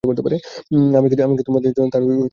আমি কি তোমাদের জন্য তাঁর অনুরূপ প্রতিকৃতি তৈরি করে দেব?